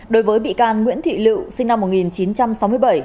đối với bị can nguyễn thị lựu sinh năm một nghìn chín trăm sáu mươi bảy